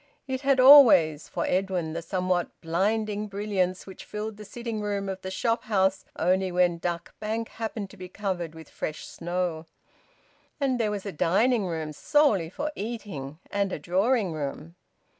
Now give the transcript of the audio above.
It had always, for Edwin, the somewhat blinding brilliance which filled the sitting room of the shop house only when Duck Bank happened to be covered with fresh snow. And there was a dining room, solely for eating, and a drawing room.